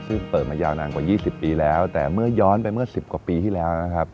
ซึ่งเปิดมายาวนานกว่า๒๐ปีแล้วแต่เมื่อย้อนไปเมื่อ๑๐กว่าปีที่แล้วนะครับ